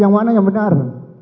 yang mana yang benar